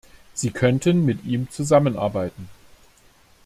Sie könnten mit ihm zusammenarbeiten.